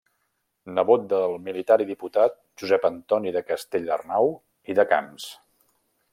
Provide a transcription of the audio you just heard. Nebot del militar i diputat Josep Antoni de Castellarnau i de Camps.